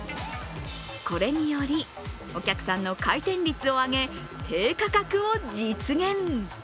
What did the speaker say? これにより、お客さんの回転率を上げ、低価格を実現。